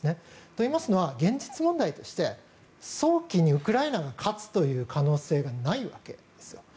といいますのは現実問題として早期にウクライナが勝つという可能性がないわけですよ。